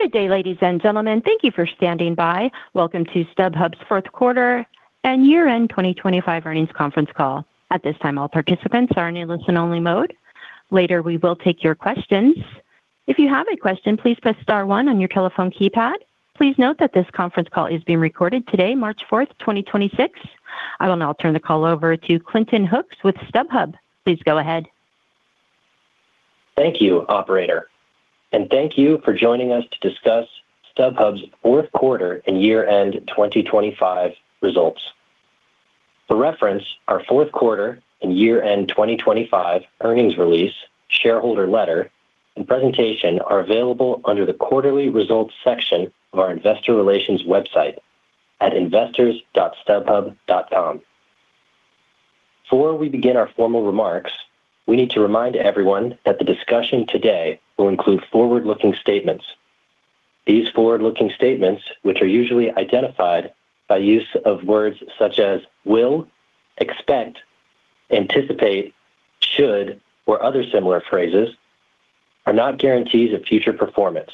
Good day, ladies and gentlemen. Thank you for standing by. Welcome to StubHub's fourth quarter and year-end 2025 earnings conference call. At this time, all participants are in listen-only mode. Later, we will take your questions. If you have a question, please press star one on your telephone keypad. Please note that this conference call is being recorded today, March fourth, 2026. I will now turn the call over to Clinton Hooks with StubHub. Please go ahead. Thank you, operator. Thank you for joining us to discuss StubHub's fourth quarter and year-end 2025 results. For reference, our fourth quarter and year-end 2025 earnings release, shareholder letter, and presentation are available under the Quarterly Results section of our investor relations website at investors.stubhub.com. Before we begin our formal remarks, we need to remind everyone that the discussion today will include forward-looking statements. These forward-looking statements, which are usually identified by use of words such as will, expect, anticipate, should, or other similar phrases, are not guarantees of future performance.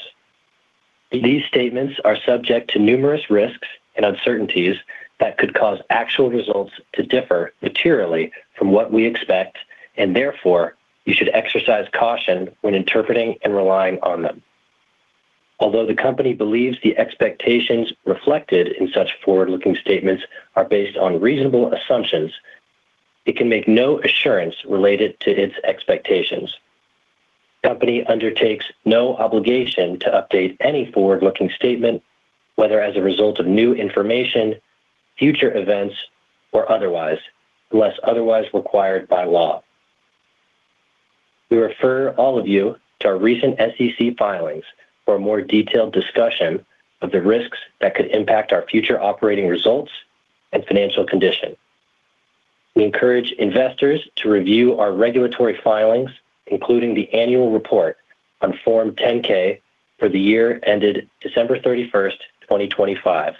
These statements are subject to numerous risks and uncertainties that could cause actual results to differ materially from what we expect. Therefore, you should exercise caution when interpreting and relying on them. Although the company believes the expectations reflected in such forward-looking statements are based on reasonable assumptions, it can make no assurance related to its expectations. The company undertakes no obligation to update any forward-looking statement, whether as a result of new information, future events, or otherwise, unless otherwise required by law. We refer all of you to our recent SEC filings for a more detailed discussion of the risks that could impact our future operating results and financial condition. We encourage investors to review our regulatory filings, including the annual report on Form 10-K for the year ended December 31st, 2025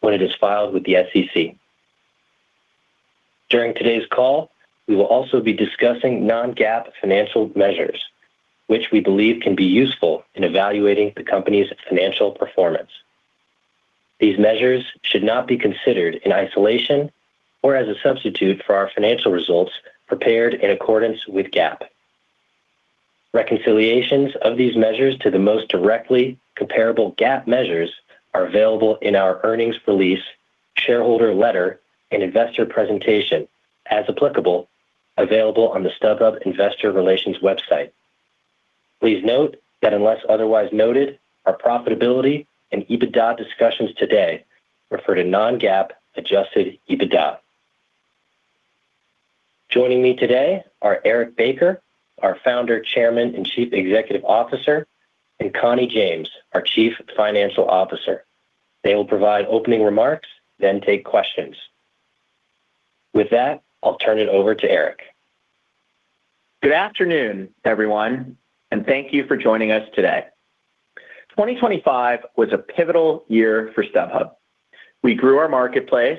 when it is filed with the SEC. During today's call, we will also be discussing non-GAAP financial measures, which we believe can be useful in evaluating the company's financial performance. These measures should not be considered in isolation or as a substitute for our financial results prepared in accordance with GAAP. Reconciliations of these measures to the most directly comparable GAAP measures are available in our earnings release, shareholder letter, and investor presentation, as applicable, available on the StubHub investor relations website. Please note that unless otherwise noted, our profitability and EBITDA discussions today refer to non-GAAP adjusted EBITDA. Joining me today are Eric Baker, our founder, chairman, and chief executive officer, and Connie James, our chief financial officer. They will provide opening remarks, then take questions. With that, I'll turn it over to Eric. Good afternoon, everyone, thank you for joining us today. 2025 was a pivotal year for StubHub. We grew our marketplace,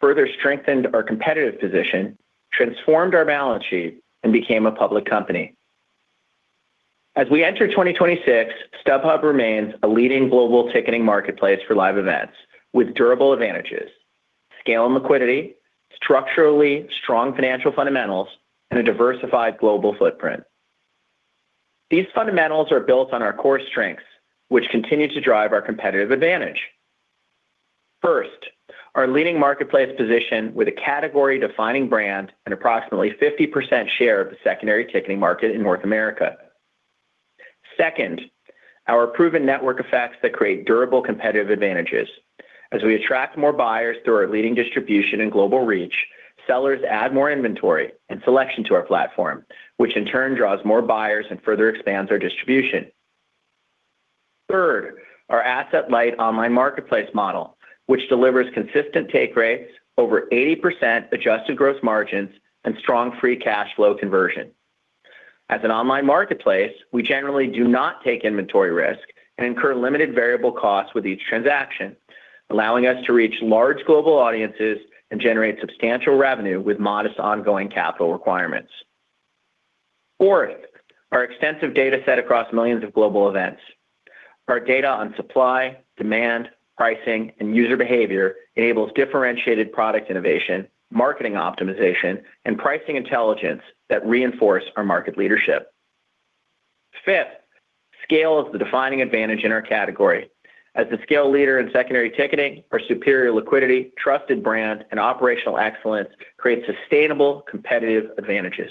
further strengthened our competitive position, transformed our balance sheet, and became a public company. As we enter 2026, StubHub remains a leading global ticketing marketplace for live events with durable advantages, scale and liquidity, structurally strong financial fundamentals, and a diversified global footprint. These fundamentals are built on our core strengths, which continue to drive our competitive advantage. First, our leading marketplace position with a category-defining brand and approximately 50% share of the secondary ticketing market in North America. Second, our proven network effects that create durable competitive advantages. As we attract more buyers through our leading distribution and global reach, sellers add more inventory and selection to our platform, which in turn draws more buyers and further expands our distribution. Third, our asset-light online marketplace model, which delivers consistent take rates, over 80% adjusted gross margins, and strong Free Cash Flow conversion. As an online marketplace, we generally do not take inventory risk and incur limited variable costs with each transaction, allowing us to reach large global audiences and generate substantial revenue with modest ongoing capital requirements. Fourth, our extensive data set across millions of global events. Our data on supply, demand, pricing, and user behavior enables differentiated product innovation, marketing optimization, and pricing intelligence that reinforce our market leadership. Fifth, scale is the defining advantage in our category. As the scale leader in secondary ticketing, our superior liquidity, trusted brand, and operational excellence create sustainable competitive advantages.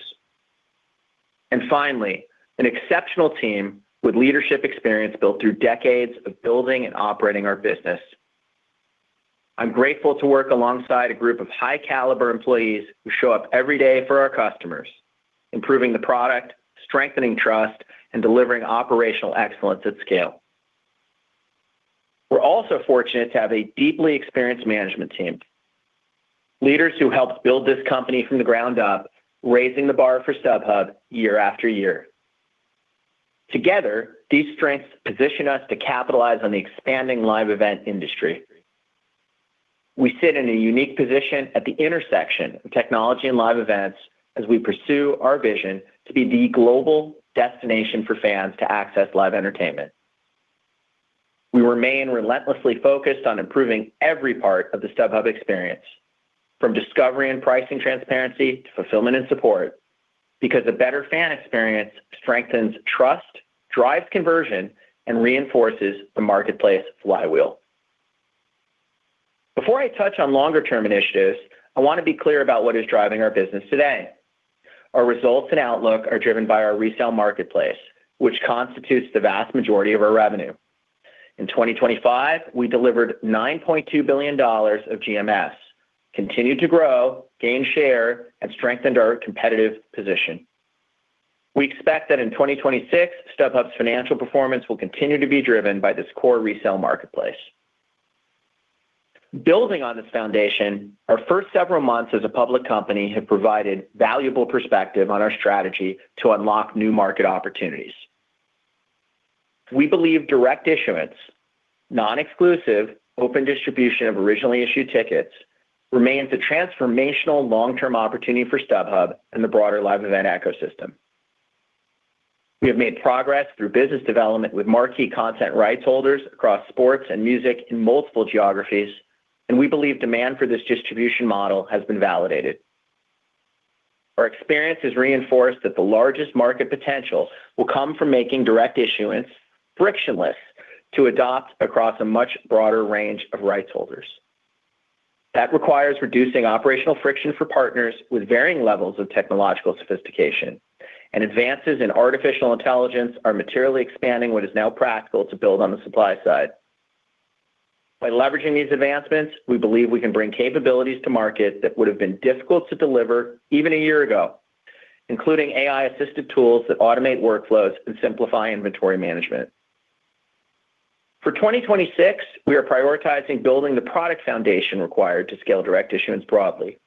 Finally, an exceptional team with leadership experience built through decades of building and operating our business. I'm grateful to work alongside a group of high-caliber employees who show up every day for our customers, improving the product, strengthening trust, and delivering operational excellence at scale. We're also fortunate to have a deeply experienced management team. Leaders who helped build this company from the ground up, raising the bar for StubHub year after year. Together, these strengths position us to capitalize on the expanding live event industry. We sit in a unique position at the intersection of technology and live events as we pursue our vision to be the global destination for fans to access live entertainment. We remain relentlessly focused on improving every part of the StubHub experience from discovery and pricing transparency to fulfillment and support, because a better fan experience strengthens trust, drives conversion, and reinforces the marketplace flywheel. Before I touch on longer-term initiatives, I want to be clear about what is driving our business today. Our results and outlook are driven by our resale marketplace, which constitutes the vast majority of our revenue. In 2025, we delivered $9.2 billion of GMS, continued to grow, gain share, and strengthened our competitive position. We expect that in 2026, StubHub's financial performance will continue to be driven by this core resale marketplace. Building on this foundation, our first several months as a public company have provided valuable perspective on our strategy to unlock new market opportunities. We believe direct issuance, non-exclusive open distribution of originally issued tickets remains a transformational long-term opportunity for StubHub and the broader live event ecosystem. We have made progress through business development with marquee content rights holders across sports and music in multiple geographies, and we believe demand for this distribution model has been validated. Our experience has reinforced that the largest market potential will come from making direct issuance frictionless to adopt across a much broader range of rights holders. That requires reducing operational friction for partners with varying levels of technological sophistication. Advances in artificial intelligence are materially expanding what is now practical to build on the supply side. By leveraging these advancements, we believe we can bring capabilities to market that would have been difficult to deliver even a year ago, including AI-assisted tools that automate workflows and simplify inventory management. For 2026, we are prioritizing building the product foundation required to scale direct issuance broadly.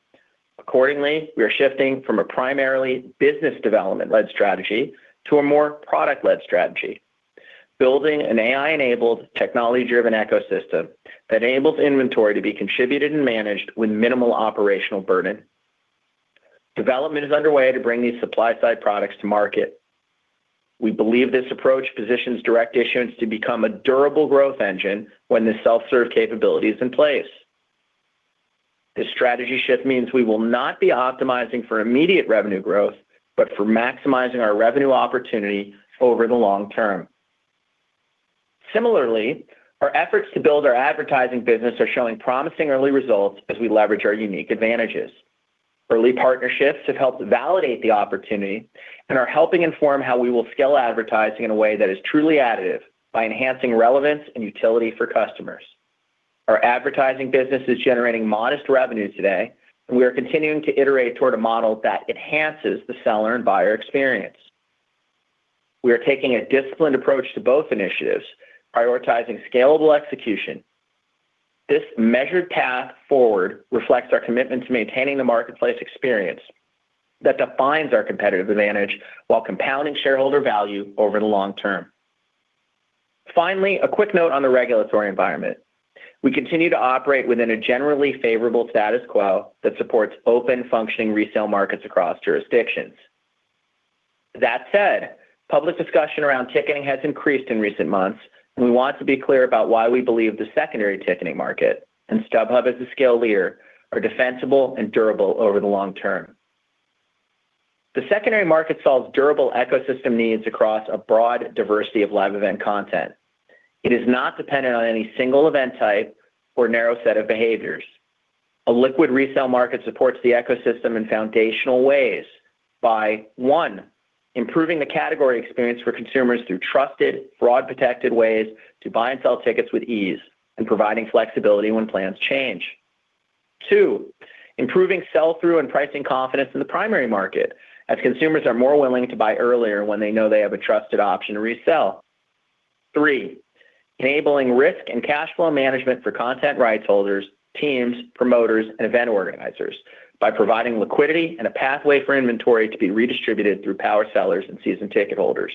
Accordingly, we are shifting from a primarily business development led strategy to a more product led strategy. Building an AI-enabled, technology-driven ecosystem that enables inventory to be contributed and managed with minimal operational burden. Development is underway to bring these supply-side products to market. We believe this approach positions direct issuance to become a durable growth engine when the self-serve capability is in place. This strategy shift means we will not be optimizing for immediate revenue growth, but for maximizing our revenue opportunity over the long term. Similarly, our efforts to build our advertising business are showing promising early results as we leverage our unique advantages. Early partnerships have helped validate the opportunity and are helping inform how we will scale advertising in a way that is truly additive by enhancing relevance and utility for customers. Our advertising business is generating modest revenue today. We are continuing to iterate toward a model that enhances the seller and buyer experience. We are taking a disciplined approach to both initiatives, prioritizing scalable execution. This measured path forward reflects our commitment to maintaining the marketplace experience that defines our competitive advantage while compounding shareholder value over the long term. Finally, a quick note on the regulatory environment. We continue to operate within a generally favorable status quo that supports open functioning resale markets across jurisdictions. Public discussion around ticketing has increased in recent months, and we want to be clear about why we believe the secondary ticketing market and StubHub as a scale leader are defensible and durable over the long term. The secondary market solves durable ecosystem needs across a broad diversity of live event content. It is not dependent on any single event type or narrow set of behaviors. A liquid resale market supports the ecosystem in foundational ways by, one, improving the category experience for consumers through trusted, fraud-protected ways to buy and sell tickets with ease and providing flexibility when plans change. Two, improving sell-through and pricing confidence in the primary market as consumers are more willing to buy earlier when they know they have a trusted option to resell. Three, enabling risk and cash flow management for content rights holders, teams, promoters, and event organizers by providing liquidity and a pathway for inventory to be redistributed through power sellers and season ticket holders.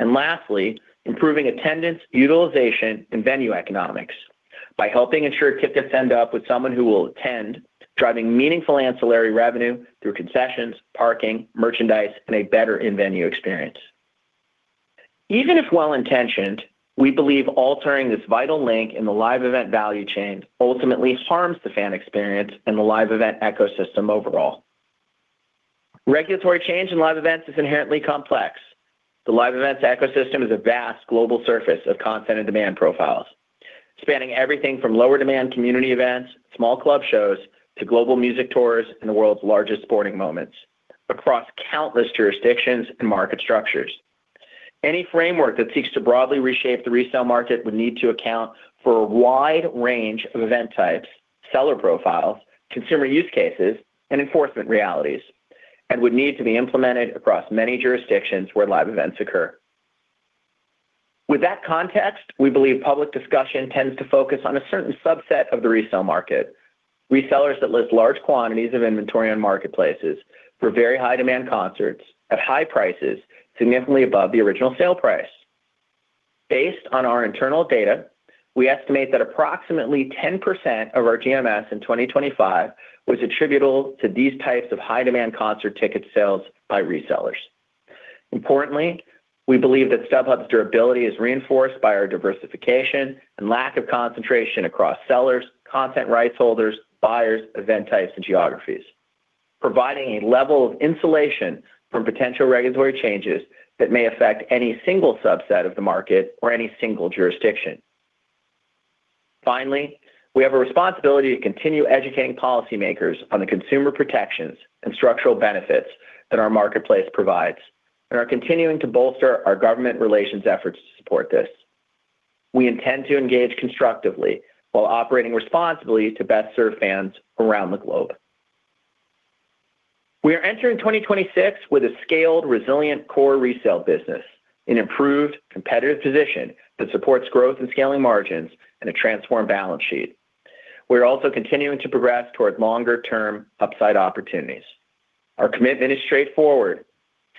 Lastly, improving attendance, utilization, and venue economics by helping ensure tickets end up with someone who will attend, driving meaningful ancillary revenue through concessions, parking, merchandise, and a better in-venue experience. Even if well-intentioned, we believe altering this vital link in the live event value chain ultimately harms the fan experience and the live event ecosystem overall. Regulatory change in live events is inherently complex. The live events ecosystem is a vast global surface of content and demand profiles, spanning everything from lower demand community events, small club shows, to global music tours and the world's largest sporting moments across countless jurisdictions and market structures. Any framework that seeks to broadly reshape the resale market would need to account for a wide range of event types, seller profiles, consumer use cases, and enforcement realities, and would need to be implemented across many jurisdictions where live events occur. With that context, we believe public discussion tends to focus on a certain subset of the resale market. Resellers that list large quantities of inventory on marketplaces for very high demand concerts at high prices significantly above the original sale price. Based on our internal data, we estimate that approximately 10% of our GMS in 2025 was attributable to these types of high-demand concert ticket sales by resellers. Importantly, we believe that StubHub's durability is reinforced by our diversification and lack of concentration across sellers, content rights holders, buyers, event types, and geographies, providing a level of insulation from potential regulatory changes that may affect any single subset of the market or any single jurisdiction. Finally, we have a responsibility to continue educating policymakers on the consumer protections and structural benefits that our marketplace provides and are continuing to bolster our government relations efforts to support this. We intend to engage constructively while operating responsibly to best serve fans around the globe. We are entering 2026 with a scaled, resilient core resale business, an improved competitive position that supports growth and scaling margins, and a transformed balance sheet. We are also continuing to progress toward longer-term upside opportunities. Our commitment is straightforward: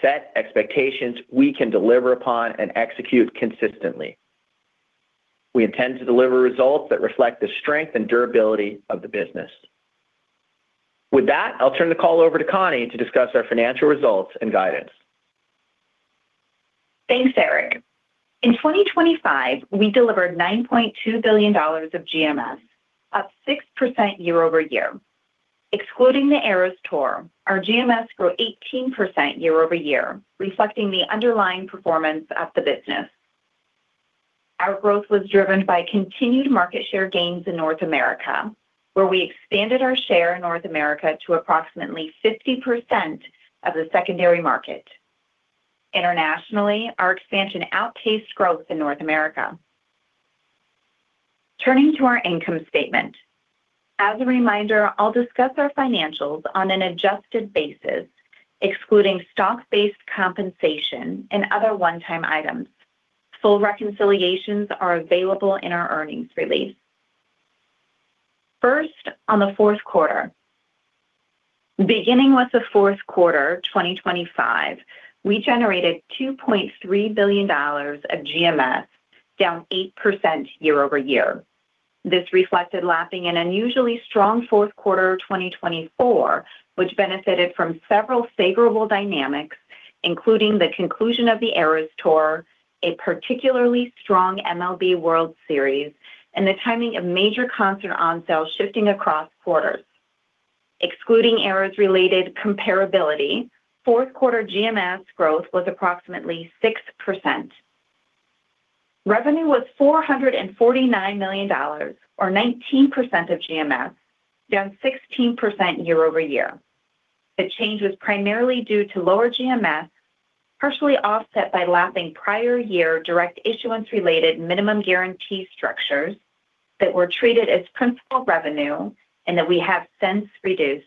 set expectations we can deliver upon and execute consistently. We intend to deliver results that reflect the strength and durability of the business. With that, I'll turn the call over to Connie to discuss our financial results and guidance. Thanks, Eric. In 2025, we delivered $9.2 billion of GMS, up 6% year-over-year. Excluding The Eras Tour, our GMS grew 18% year-over-year, reflecting the underlying performance of the business. Our growth was driven by continued market share gains in North America, where we expanded our share in North America to approximately 50% of the secondary market. Internationally, our expansion outpaced growth in North America. Turning to our income statement. As a reminder, I'll discuss our financials on an adjusted basis, excluding stock-based compensation and other one-time items. Full reconciliations are available in our earnings release. First, on the fourth quarter. Beginning with the fourth quarter 2025, we generated $2.3 billion of GMS, down 8% year-over-year. This reflected lapping an unusually strong fourth quarter 2024, which benefited from several favorable dynamics, including the conclusion of The Eras Tour, a particularly strong MLB World Series, and the timing of major concert on sales shifting across quarters. Excluding Eras-related comparability, fourth quarter GMS growth was approximately 6%. Revenue was $449 million or 19% of GMS, down 16% year-over-year. The change was primarily due to lower GMS, partially offset by lapping prior year direct issuance-related minimum guarantee structures that were treated as principal revenue and that we have since reduced.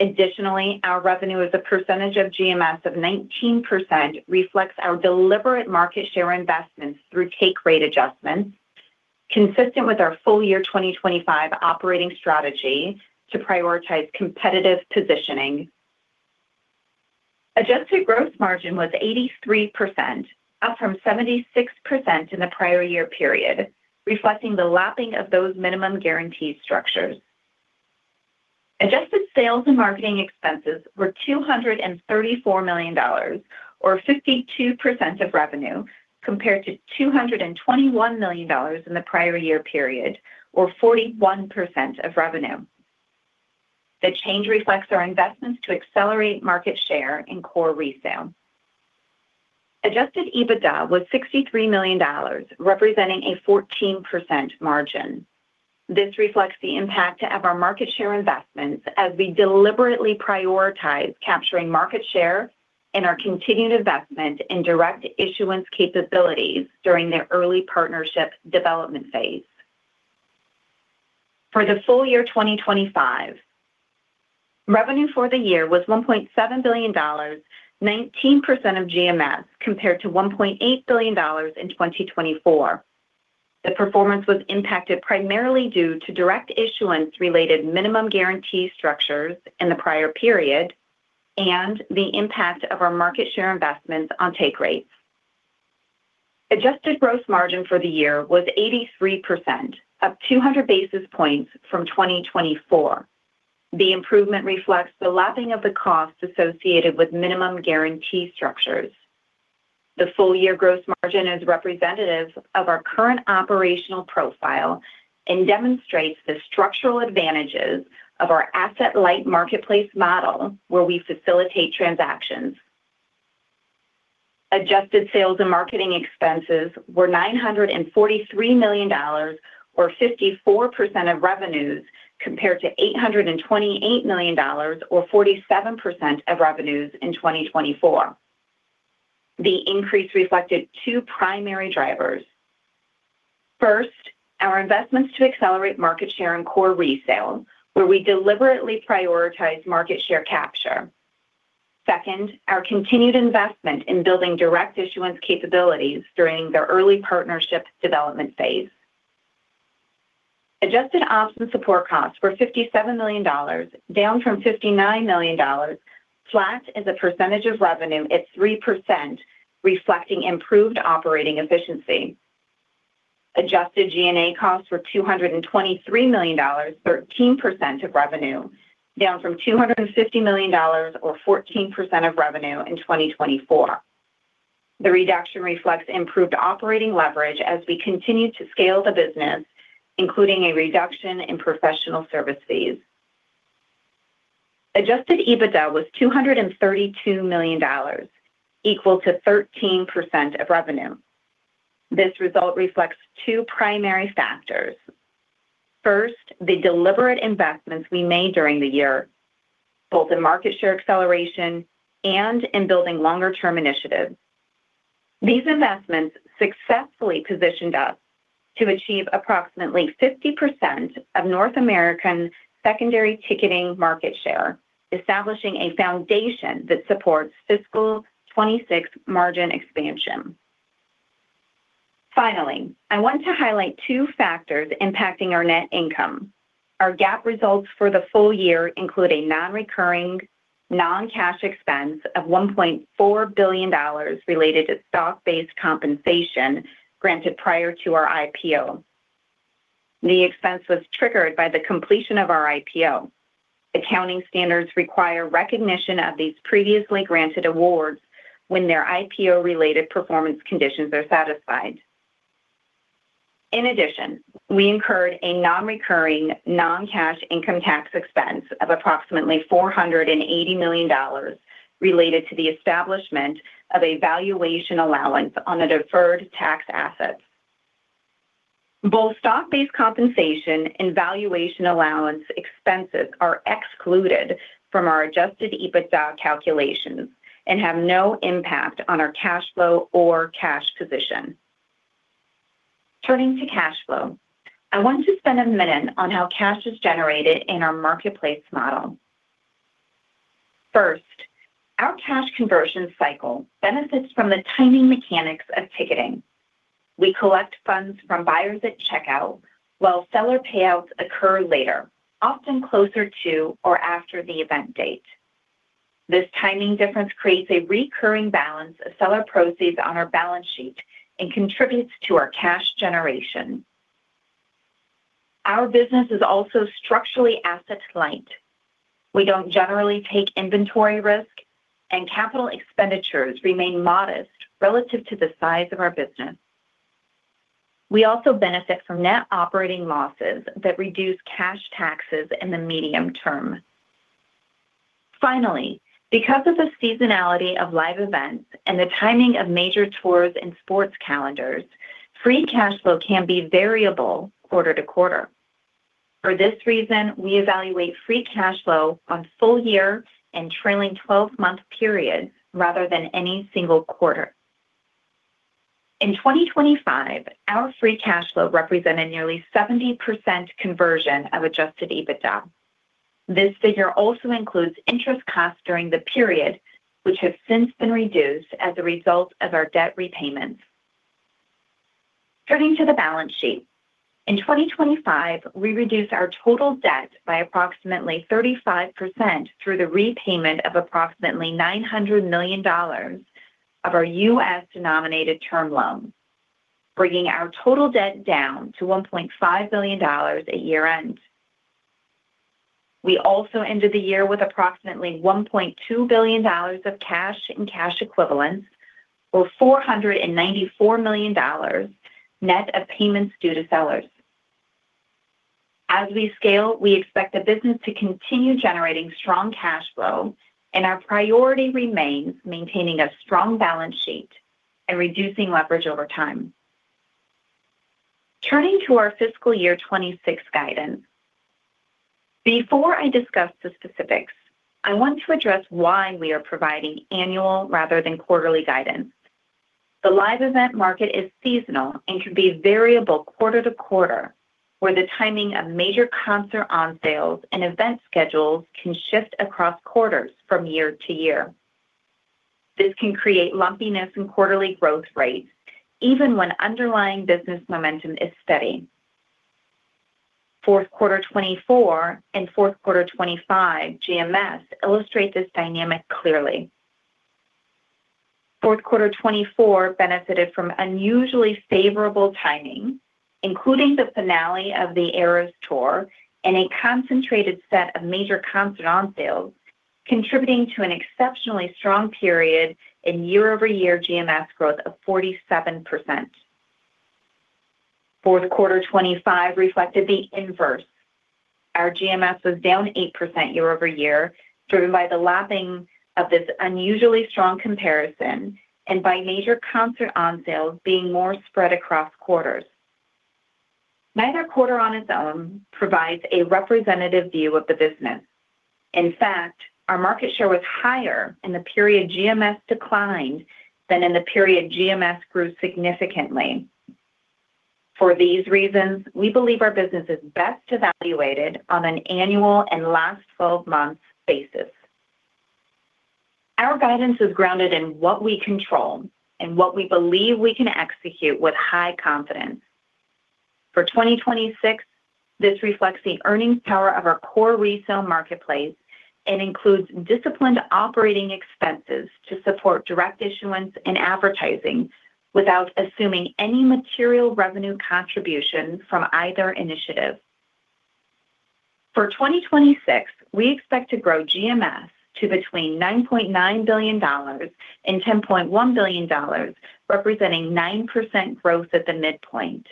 Additionally, our revenue as a percentage of GMS of 19% reflects our deliberate market share investments through take rate adjustments consistent with our full year 2025 operating strategy to prioritize competitive positioning. Adjusted gross margin was 83%, up from 76% in the prior year period, reflecting the lapping of those minimum guarantee structures. Adjusted sales and marketing expenses were $234 million or 52% of revenue, compared to $221 million in the prior year period or 41% of revenue. The change reflects our investments to accelerate market share in core resale. Adjusted EBITDA was $63 million, representing a 14% margin. This reflects the impact of our market share investments as we deliberately prioritize capturing market share and our continued investment in direct issuance capabilities during their early partnership development phase. For the full year 2025, revenue for the year was $1.7 billion, 19% of GMS, compared to $1.8 billion in 2024. The performance was impacted primarily due to direct issuance-related minimum guarantee structures in the prior period and the impact of our market share investments on take rates. Adjusted gross margin for the year was 83%, up 200 basis points from 2024. The improvement reflects the lapping of the costs associated with minimum guarantee structures. The full-year gross margin is representative of our current operational profile and demonstrates the structural advantages of our asset-light marketplace model where we facilitate transactions. Adjusted sales and marketing expenses were $943 million or 54% of revenues, compared to $828 million or 47% of revenues in 2024. The increase reflected two primary drivers. First, our investments to accelerate market share and core resale, where we deliberately prioritize market share capture. Second, our continued investment in building direct issuance capabilities during their early partnership development phase. Adjusted ops and support costs were $57 million, down from $59 million, flat as a percentage of revenue at 3%, reflecting improved operating efficiency. Adjusted G&A costs were $223 million, 13% of revenue, down from $250 million or 14% of revenue in 2024. The reduction reflects improved operating leverage as we continue to scale the business, including a reduction in professional service fees. Adjusted EBITDA was $232 million, equal to 13% of revenue. This result reflects two primary factors. First, the deliberate investments we made during the year, both in market share acceleration and in building longer-term initiatives. These investments successfully positioned us to achieve approximately 50% of North American secondary ticketing market share, establishing a foundation that supports fiscal 26 margin expansion. Finally, I want to highlight two factors impacting our net income. Our GAAP results for the full year include a non-recurring, non-cash expense of $1.4 billion related to stock-based compensation granted prior to our IPO. The expense was triggered by the completion of our IPO. accounting standards require recognition of these previously granted awards when their IPO-related performance conditions are satisfied. In addition, we incurred a non-recurring, non-cash income tax expense of approximately $480 million related to the establishment of a valuation allowance on the deferred tax assets. Both stock-based compensation and valuation allowance expenses are excluded from our adjusted EBITDA calculations and have no impact on our cash flow or cash position. Turning to cash flow, I want to spend a minute on how cash is generated in our marketplace model. Our cash conversion cycle benefits from the timing mechanics of ticketing. We collect funds from buyers at checkout while seller payouts occur later, often closer to or after the event date. This timing difference creates a recurring balance of seller proceeds on our balance sheet and contributes to our cash generation. Our business is also structurally asset light. We don't generally take inventory risk, and capital expenditures remain modest relative to the size of our business. We also benefit from net operating losses that reduce cash taxes in the medium term. Because of the seasonality of live events and the timing of major tours and sports calendars, Free Cash Flow can be variable quarter-to-quarter. For this reason, we evaluate Free Cash Flow on full year and trailing 12-month periods rather than any single quarter. In 2025, our Free Cash Flow represented nearly 70% conversion of adjusted EBITDA. This figure also includes interest costs during the period, which have since been reduced as a result of our debt repayments. Turning to the balance sheet, in 2025, we reduced our total debt by approximately 35% through the repayment of approximately $900 million of our U.S.-denominated term loans, bringing our total debt down to $1.5 billion at year-end. We also ended the year with approximately $1.2 billion of cash and cash equivalents, or $494 million net of payments due to sellers. As we scale, we expect the business to continue generating strong cash flow, our priority remains maintaining a strong balance sheet and reducing leverage over time. Turning to our fiscal year 26 guidance. Before I discuss the specifics, I want to address why we are providing annual rather than quarterly guidance. The live event market is seasonal and can be variable quarter to quarter, where the timing of major concert on-sales and event schedules can shift across quarters from year to year. This can create lumpiness in quarterly growth rates, even when underlying business momentum is steady. Fourth quarter 2024 and fourth quarter 2025 GMS illustrate this dynamic clearly. Fourth quarter 2024 benefited from unusually favorable timing, including the finale of The Eras Tour and a concentrated set of major concert on-sales, contributing to an exceptionally strong period in year-over-year GMS growth of 47%. Fourth quarter 2025 reflected the inverse. Our GMS was down 8% year-over-year, driven by the lapping of this unusually strong comparison and by major concert on-sales being more spread across quarters. Neither quarter on its own provides a representative view of the business. In fact, our market share was higher in the period GMS declined than in the period GMS grew significantly. For these reasons, we believe our business is best evaluated on an annual and last 12 months basis. Our guidance is grounded in what we control and what we believe we can execute with high confidence. For 2026, this reflects the earnings power of our core resale marketplace and includes disciplined operating expenses to support direct issuance and advertising without assuming any material revenue contribution from either initiative. For 2026, we expect to grow GMS to between $9.9 billion and $10.1 billion, representing 9% growth at the midpoint,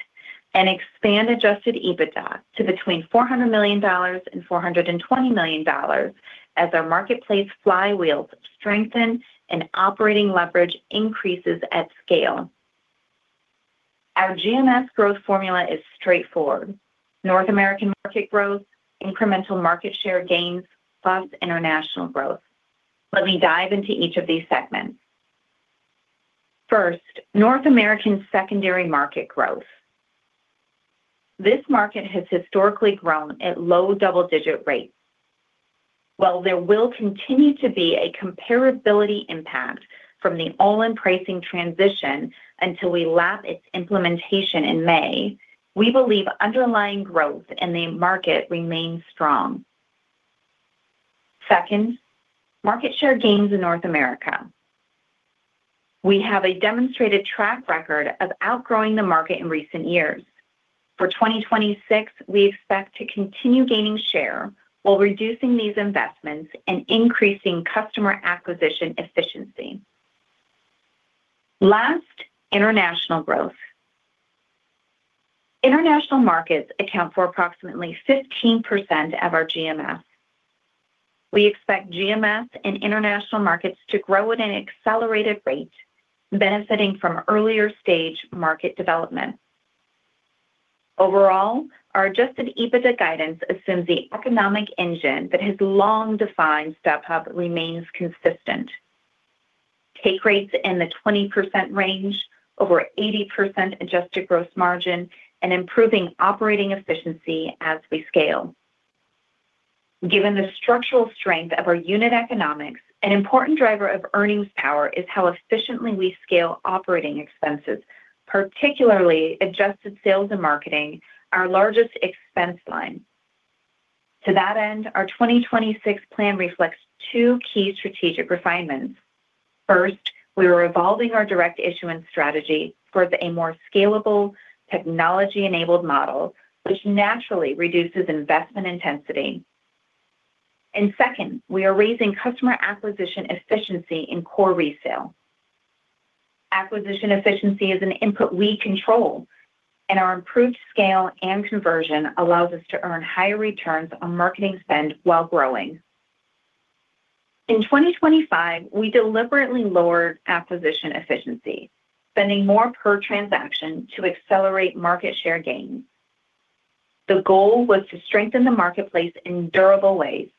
and expand adjusted EBITDA to between $400 million and $420 million as our marketplace flywheels strengthen and operating leverage increases at scale. Our GMS growth formula is straightforward. North American market growth, incremental market share gains, plus international growth. Let me dive into each of these segments. First, North American secondary market growth. This market has historically grown at low double-digit rates. While there will continue to be a comparability impact from the all-in pricing transition until we lap its implementation in May, we believe underlying growth in the market remains strong. Second, market share gains in North America. We have a demonstrated track record of outgrowing the market in recent years. For 2026, we expect to continue gaining share while reducing these investments and increasing customer acquisition efficiency. International growth. International markets account for approximately 15% of our GMS. We expect GMS and international markets to grow at an accelerated rate, benefiting from earlier stage market development. Overall, our adjusted EBITDA guidance assumes the economic engine that has long defined StubHub remains consistent. Take rates in the 20% range, over 80% adjusted gross margin, and improving operating efficiency as we scale. Given the structural strength of our unit economics, an important driver of earnings power is how efficiently we scale operating expenses, particularly adjusted sales and marketing, our largest expense line. To that end, our 2026 plan reflects two key strategic refinements. First, we are evolving our direct issuance strategy towards a more scalable technology-enabled model, which naturally reduces investment intensity. Second, we are raising customer acquisition efficiency in core resale. Acquisition efficiency is an input we control, and our improved scale and conversion allows us to earn higher returns on marketing spend while growing. In 2025, we deliberately lowered acquisition efficiency, spending more per transaction to accelerate market share gains. The goal was to strengthen the marketplace in durable ways.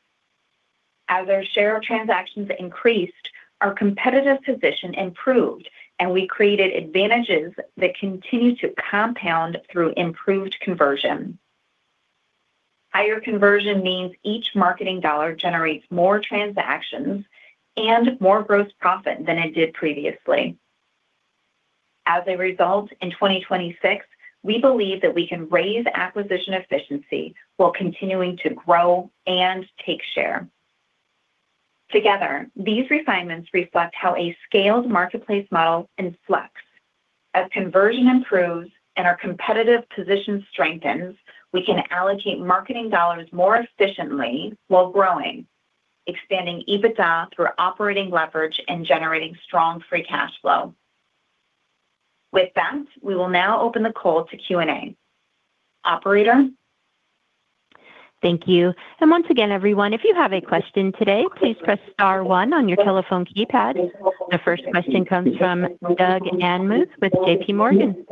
As our share of transactions increased, our competitive position improved, and we created advantages that continue to compound through improved conversion. Higher conversion means each marketing dollar generates more transactions and more gross profit than it did previously. As a result, in 2026, we believe that we can raise acquisition efficiency while continuing to grow and take share. Together, these refinements reflect how a scaled marketplace model influx. As conversion improves and our competitive position strengthens, we can allocate marketing dollars more efficiently while growing, expanding EBITDA through operating leverage and generating strong Free Cash Flow. With that, we will now open the call to Q&A. Operator? Thank you. Once again, everyone, if you have a question today, please press star 1 on your telephone keypad. The first question comes from Doug Anmuth with J.P. Morgan.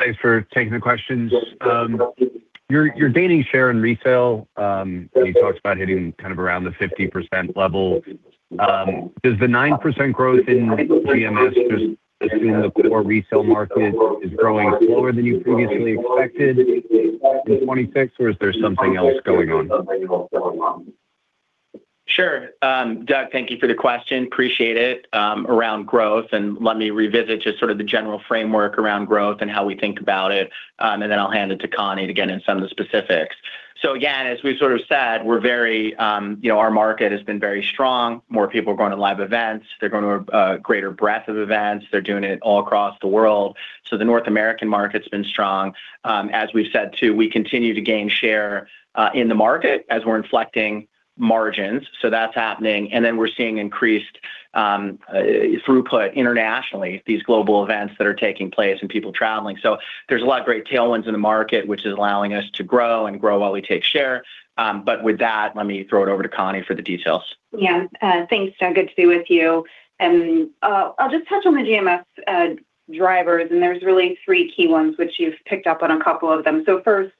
Thanks for taking the questions. You're, you're gaining share in resale. You talked about hitting kind of around the 50% level. Does the 9% growth in GMS just assume the core resale market is growing slower than you previously expected in 2026 or is there something else going on? Sure. Doug, thank you for the question. Appreciate it. Around growth, and let me revisit just sort of the general framework around growth and how we think about it, and then I'll hand it to Connie to get in some of the specifics. Again, as we've sort of said, we're very, you know, our market has been very strong. More people are going to live events. They're going to a greater breadth of events. They're doing it all across the world. The North American market's been strong. As we've said too, we continue to gain share in the market as we're inflecting margins. That's happening. Then we're seeing increased throughput internationally, these global events that are taking place and people traveling. There's a lot of great tailwinds in the market, which is allowing us to grow and grow while we take share. With that, let me throw it over to Connie for the details. Yeah. Thanks, Doug. Good to be with you. I'll just touch on the GMS drivers, there's really three key ones which you've picked up on a couple of them. First,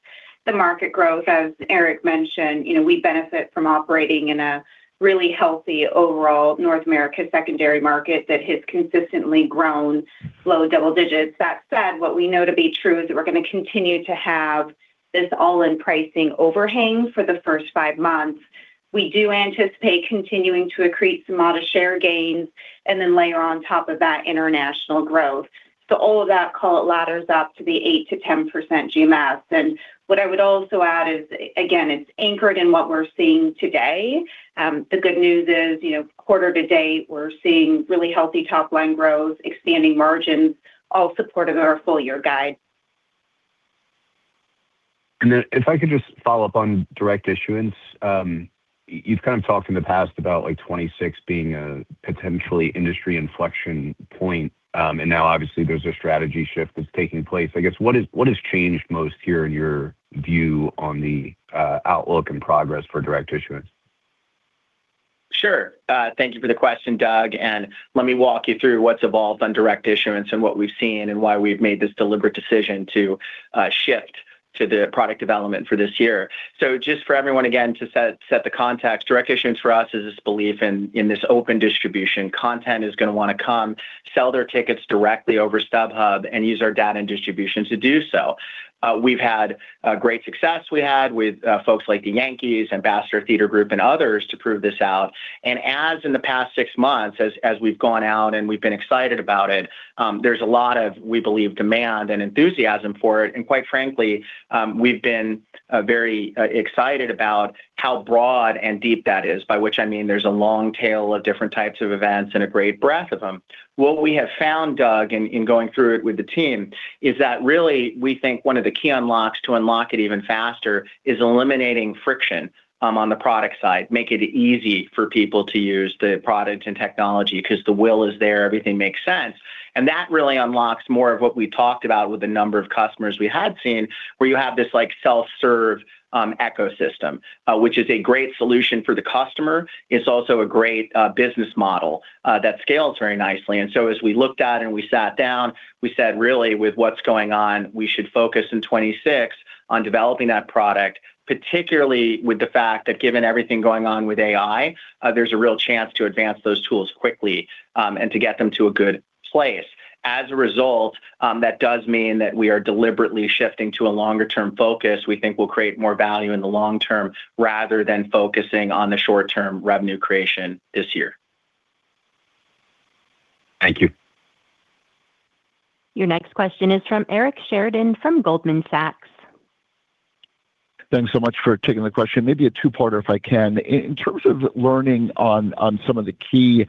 the market growth, as Eric mentioned. You know, we benefit from operating in a really healthy overall North America secondary market that has consistently grown low double digits. That said, what we know to be true is that we're going to continue to have this all-in pricing overhang for the first five months. We do anticipate continuing to accrete some modest share gains and then layer on top of that international growth. All of that call it ladders up to be 8%-10% GMS. What I would also add is, again, it's anchored in what we're seeing today. The good news is, you know, quarter to date, we're seeing really healthy top line growth, expanding margins, all supportive of our full year guide. If I could just follow up on direct issuance. You've kind of talked in the past about like 26 being a potentially industry inflection point. Now obviously there's a strategy shift that's taking place. I guess what has changed most here in your view on the outlook and progress for direct issuance? Sure. Thank you for the question, Doug, let me walk you through what's evolved on direct issuance and what we've seen and why we've made this deliberate decision to shift to the product development for this year. Just for everyone, again, to set the context, direct issuance for us is this belief in this open distribution. Content is gonna wanna come sell their tickets directly over StubHub and use our data and distribution to do so. We've had great success we had with folks like the Yankees, Ambassador Theatre Group, and others to prove this out. As in the past 6 months, as we've gone out and we've been excited about it, there's a lot of, we believe, demand and enthusiasm for it. Quite frankly, we've been very excited about how broad and deep that is, by which I mean there's a long tail of different types of events and a great breadth of them. What we have found, Doug, in going through it with the team is that really we think one of the key unlocks to unlock it even faster is eliminating friction, on the product side, make it easy for people to use the product and technology 'cause the will is there, everything makes sense. That really unlocks more of what we talked about with the number of customers we had seen, where you have this like self-serve ecosystem, which is a great solution for the customer. It's also a great business model that scales very nicely. As we looked at and we sat down, we said, really with what's going on, we should focus in 26 on developing that product, particularly with the fact that given everything going on with AI, there's a real chance to advance those tools quickly, and to get them to a good place. As a result, that does mean that we are deliberately shifting to a longer term focus we think will create more value in the long term rather than focusing on the short term revenue creation this year. Thank you. Your next question is from Eric Sheridan from Goldman Sachs. Thanks so much for taking the question. Maybe a two-parter if I can. In terms of learning on some of the key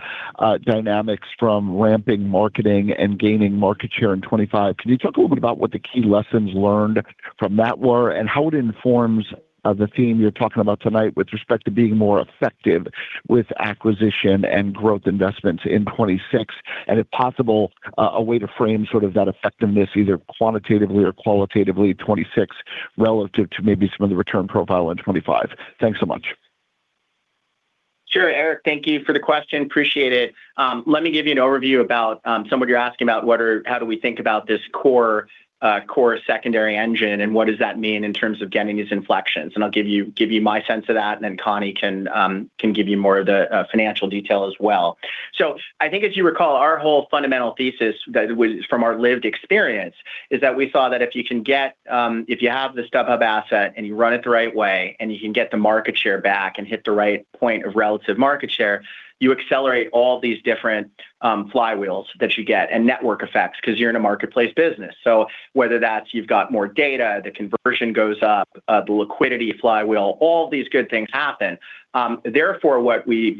dynamics from ramping marketing and gaining market share in 25, can you talk a little bit about what the key lessons learned from that were and how it informs the theme you're talking about tonight with respect to being more effective with acquisition and growth investments in 26? If possible, a way to frame sort of that effectiveness either quantitatively or qualitatively in 26 relative to maybe some of the return profile in 25? Thanks so much. Sure. Eric, thank you for the question. Appreciate it. Let me give you an overview about some of what you're asking about. How do we think about this core secondary engine and what does that mean in terms of getting these inflections? I'll give you my sense of that, and then Connie can give you more of the financial detail as well. I think as you recall, our whole fundamental thesis that was from our lived experience is that we saw that if you can get, if you have the StubHub asset and you run it the right way, and you can get the market share back and hit the right point of relative market share, you accelerate all these different flywheels that you get and network effects 'cause you're in a marketplace business. Whether that's you've got more data, the conversion goes up, the liquidity flywheel, all these good things happen. Therefore, what we've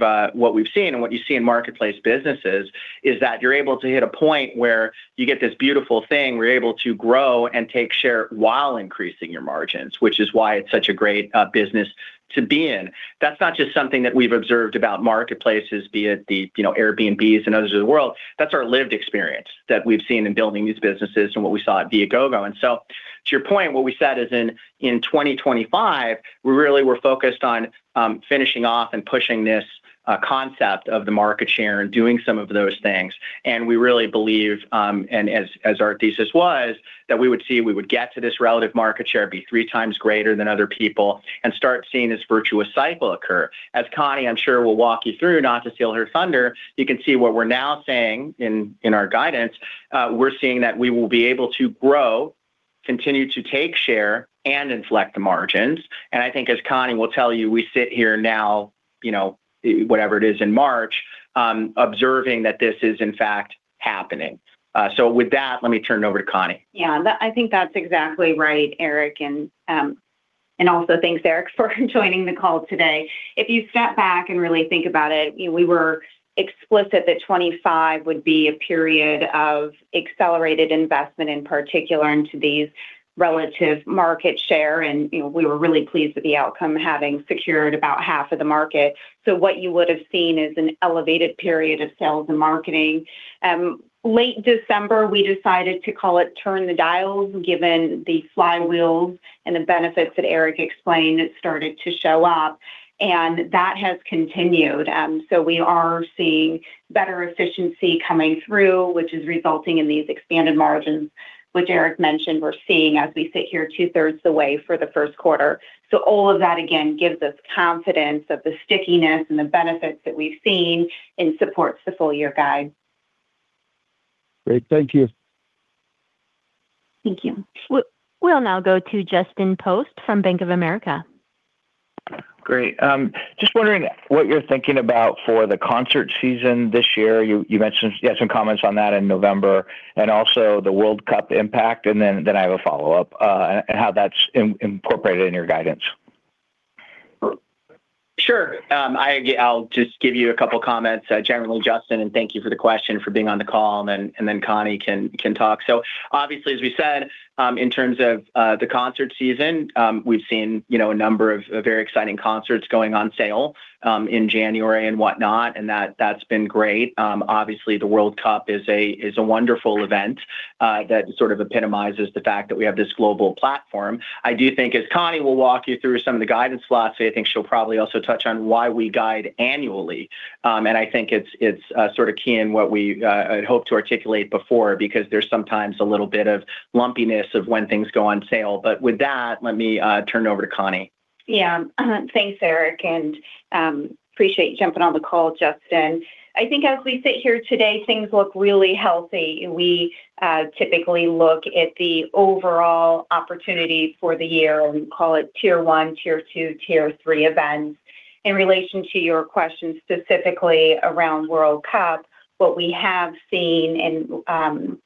seen and what you see in marketplace businesses is that you're able to hit a point where you get this beautiful thing where you're able to grow and take share while increasing your margins, which is why it's such a great business to be in. That's not just something that we've observed about marketplaces, be it the, you know, Airbnb and others of the world. That's our lived experience that we've seen in building these businesses and what we saw at viagogo. To your point, what we said is in 2025, we really were focused on finishing off and pushing this concept of the market share and doing some of those things. We really believe, and as our thesis was, that we would see we would get to this relative market share, be three times greater than other people, and start seeing this virtuous cycle occur. As Connie, I'm sure, will walk you through, not to steal her thunder, you can see what we're now saying in our guidance, we're seeing that we will be able to grow, continue to take share, and inflect the margins. I think as Connie will tell you, we sit here now, you know, whatever it is in March, observing that this is in fact happening. With that, let me turn it over to Connie. I think that's exactly right, Eric. Also thanks, Eric, for joining the call today. If you step back and really think about it, you know, we were explicit that 25 would be a period of accelerated investment, in particular into these relative market share. You know, we were really pleased with the outcome, having secured about half of the market. What you would have seen is an elevated period of sales and marketing. Late December, we decided to call it turn the dials, given the flywheels and the benefits that Eric explained started to show up, and that has continued. We are seeing better efficiency coming through, which is resulting in these expanded margins, which Eric mentioned we're seeing as we sit here two-thirds of the way for the first quarter. All of that, again, gives us confidence of the stickiness and the benefits that we've seen and supports the full year guide. Great. Thank you. Thank you. We'll now go to Justin Post from Bank of America. Great. Just wondering what you're thinking about for the concert season this year. You mentioned you had some comments on that in November and also the World Cup impact, and how that's incorporated in your guidance. Then I have a follow-up. Sure. I'll just give you a couple comments, generally, Justin, and thank you for the question, for being on the call, and then Connie can talk. Obviously, as we said, in terms of the concert season, we've seen, you know, a number of very exciting concerts going on sale, in January and whatnot, and that's been great. Obviously the World Cup is a wonderful event, that sort of epitomizes the fact that we have this global platform. I do think as Connie will walk you through some of the guidance lastly, I think she'll probably also touch on why we guide annually. I think it's sort of key in what we hope to articulate before because there's sometimes a little bit of lumpiness of when things go on sale. With that, let me turn it over to Connie. Yeah. Thanks Eric, appreciate you jumping on the call, Justin. I think as we sit here today, things look really healthy. We typically look at the overall opportunity for the year. We call it tier 1, tier 2, tier 3 events. In relation to your question specifically around World Cup, what we have seen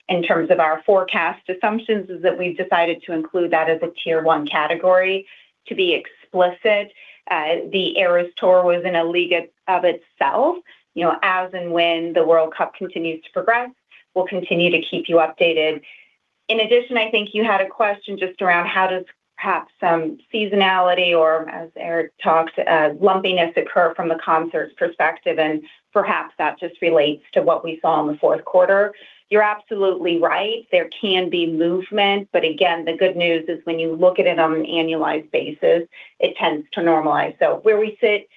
in terms of our forecast assumptions is that we've decided to include that as a tier 1 category to be explicit. The Eras Tour was in a league of itself. You know, as and when the World Cup continues to progress, we'll continue to keep you updated. In addition, I think you had a question just around how does perhaps some seasonality or as Eric talked, lumpiness occur from a concert perspective, and perhaps that just relates to what we saw in the fourth quarter. You're absolutely right. There can be movement. Again, the good news is when you look at it on an annualized basis, it tends to normalize. Where we sit,